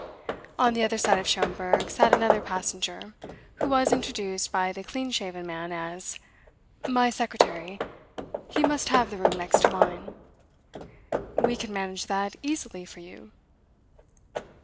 On the other side of Schomberg sat another passenger, who was introduced by the clean shaven man as "My secretary. He must have the room next to mine." "We can manage that easily for you."